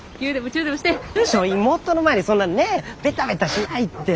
妹の前でそんなねえベタベタしないって。